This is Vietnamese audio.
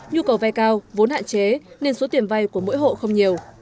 nhu cầu vay cao vốn hạn chế nên số tiền vay của mỗi hộ không nhiều